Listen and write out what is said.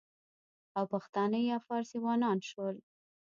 او پښتانه یا فارسیوانان شول،